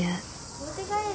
持って帰る。